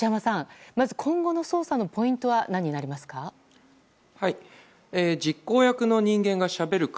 今後の捜査のポイントは何になりますか。